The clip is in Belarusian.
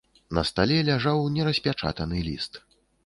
На стале ляжаў нераспячатаны ліст.